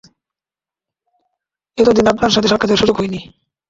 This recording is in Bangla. এতদিন আপনার সাথে সাক্ষাতের সুযোগ হয়নি।